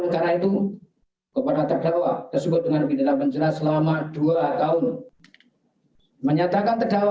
karena itu kepada terdakwa tersebut dengan bidana penjelas selama dua tahun menyatakan terdakwa